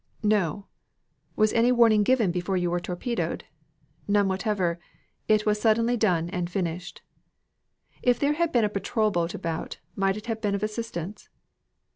"No." "Was any warning given before you were torpedoed?" "None whatever. It was suddenly done and finished." "If there had been a patrol boat about, might it have been of assistance?"